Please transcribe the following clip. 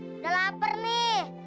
sudah lapar nih